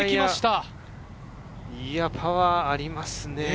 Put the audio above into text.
パワーありますね。